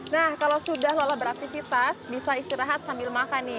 nah kalau sudah lelah beraktivitas bisa istirahat sambil makan nih